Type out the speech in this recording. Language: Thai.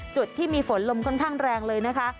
จุดที่มีฝนลมค่อนข้างแรงเลยนะคะ